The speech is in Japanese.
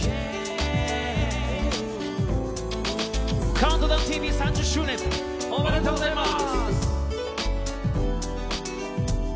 「ＣＤＴＶ」３０周年おめでとうございます！